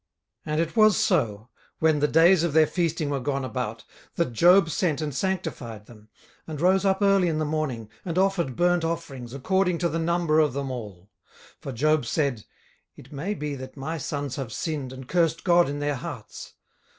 18:001:005 And it was so, when the days of their feasting were gone about, that Job sent and sanctified them, and rose up early in the morning, and offered burnt offerings according to the number of them all: for Job said, It may be that my sons have sinned, and cursed God in their hearts.